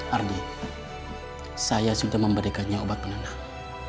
ardi saya sudah memberikannya obat penenang